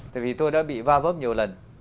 tại vì tôi đã bị va vấp nhiều lần